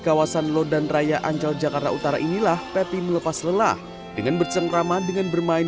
kawasan lodan raya ancol jakarta utara inilah peti melepas lelah dengan bercengkrama dengan bermain